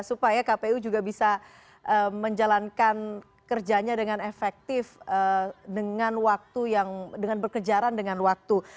supaya kpu juga bisa menjalankan kerjanya dengan efektif dengan waktu yang dengan berkejaran dengan waktu